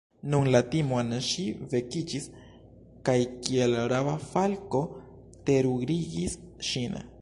Nun la timo en ŝi vekiĝis kaj kiel raba falko terurigis ŝin.